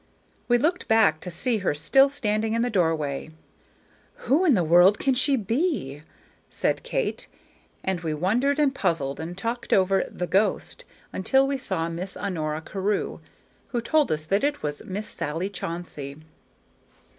We looked back to see her still standing in the doorway. "Who in the world can she be?" said Kate. And we wondered and puzzled and talked over "the ghost" until we saw Miss Honora Carew, who told us that it was Miss Sally Chauncey.